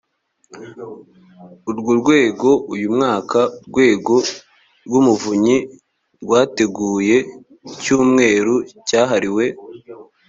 urwo rwego uyu mwaka urwego rw umuvunyi rwateguye icyumweru cyahariwe